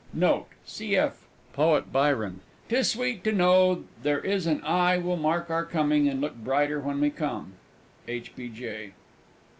Note. Cf. Poet Byron: "'Tis sweet to know there is an eye will mark Our coming, and look brighter when we come!" H. B. J.